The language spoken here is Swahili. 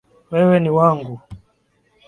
Wewe ni wangu.